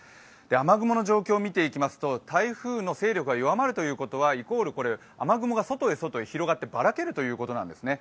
雨雲の状況見ていきますと台風の勢力は弱まるということはイコール、雨雲が外へ外へ広がってばらけるということなんですね。